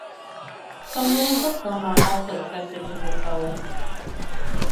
Some rules of thumb are also accepted in the codes.